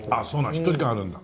しっとり感あるんだ。